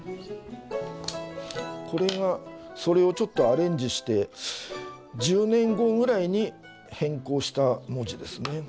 これがそれをちょっとアレンジして１０年後ぐらいに変更した文字ですね。